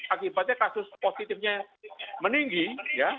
akibatnya kasus positifnya meninggi ya